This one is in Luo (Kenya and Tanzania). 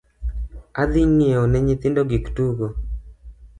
Adhi nyieo ne nyithindo gik tugo